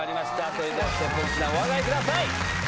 それではステップを１段お上がりください！